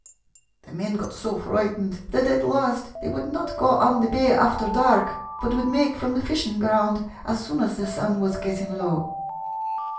The men got so frightened that at last they would not go on the bay after dark, but would make from the fishing ground as soon as the sun was getting low.